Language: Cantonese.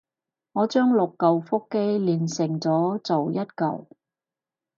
我將六舊腹肌鍊成咗做一舊